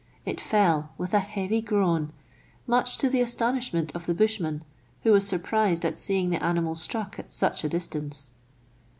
It fell with a heavy groan, much to the astonishment of the bushman, who was surprised at seeing the animal struck at such a distance.